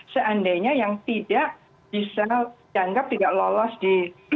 seandainya yang tidak bisa dianggap tidak lolos di